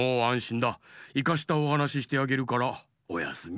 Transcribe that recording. いかしたおはなししてあげるからおやすみ。